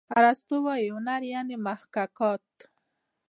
ارستو وايي هنر یعني محاکات.